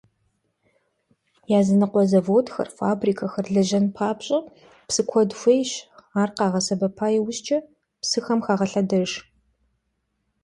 Языныкъуэ заводхэр, фабрикэхэр лэжьэн папщӀэ, псы куэд хуейщ, ар къагъэсэбэпа иужькӀэ псыхэм хагъэлъэдэж.